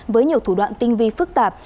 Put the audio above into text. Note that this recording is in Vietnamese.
với nhiều thủ đoạn tinh vi phức tạp